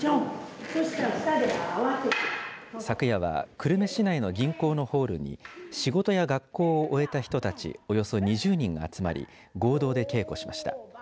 昨夜は久留米市内の銀行のホールに仕事や学校を終えた人たちおよそ２０人が集まり合同で稽古しました。